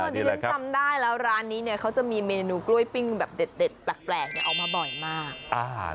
ดิฉันจำได้แล้วร้านนี้เนี่ยเขาจะมีเมนูกล้วยปิ้งแบบเด็ดแปลกออกมาบ่อยมาก